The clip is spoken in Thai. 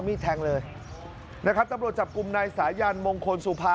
มีดแทงเลยนะครับตำรวจจับกลุ่มนายสายันมงคลสุภา